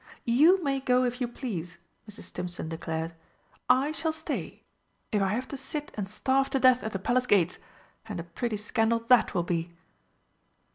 "You may go if you please," Mrs. Stimpson declared. "I shall stay if I have to sit and starve to death at the Palace Gates! And a pretty scandal that will be!"